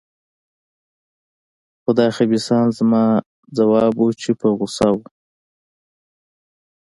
هو، دا خبیثان. زما ځواب و، چې په غوسه وو.